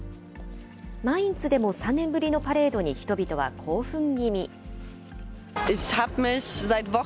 マインツでも３年ぶりのパレードに人々は興奮気味。